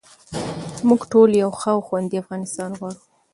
موږ ټول یو ښه او خوندي افغانستان غواړو.